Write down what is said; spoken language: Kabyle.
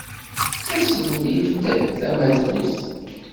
D tasemlilt tamatut.